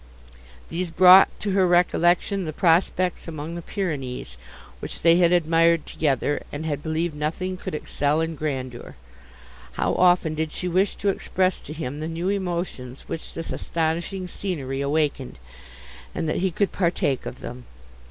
These brought to her recollection the prospects among the Pyrenees, which they had admired together, and had believed nothing could excel in grandeur. How often did she wish to express to him the new emotions which this astonishing scenery awakened, and that he could partake of them!